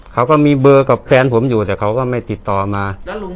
เขาก็มีเบอร์กับแฟนผมอยู่แต่เขาก็ไม่ติดต่อมา